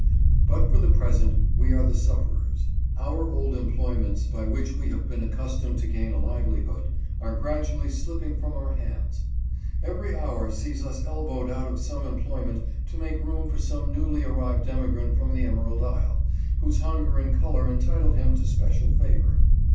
But for the present we are the sufferers. Our old employments by which we have been accustomed to gain a livelihood are gradually slipping from our hands. Every hour sees us elbowed out of some employment to make room for some newly arrived emigrant from the Emerald Isle, whose hunger and color entitle him to special favor.